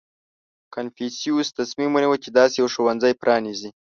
• کنفوسیوس تصمیم ونیو، چې داسې یو ښوونځی پرانېزي.